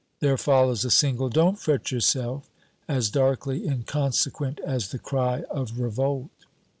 There follows a single, "Don't fret yourself!" as darkly inconsequent as the cry of revolt.